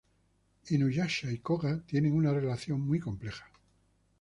Inuyasha y Koga tiene una relación muy compleja.